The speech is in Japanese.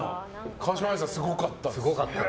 川嶋あいさんすごかったです。